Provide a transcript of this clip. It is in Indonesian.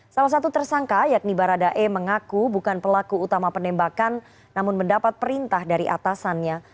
salah satu tersangka yakni baradae mengaku bukan pelaku utama penembakan namun mendapat perintah dari atasannya